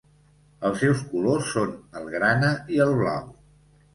Els seus colors són el grana i el blau.